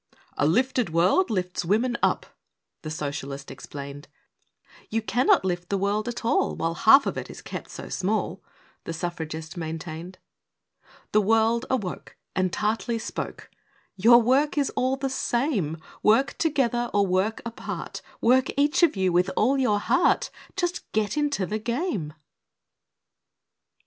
"A lifted world lifts women up," The Socialist explained. "You cannot lift the world at all While half of it is kept so small," The Suffragist maintained. The world awoke, and tartly spoke: "Your work is all the same: Work together or work apart, Work, each of you, with all your heart Just get into the game!"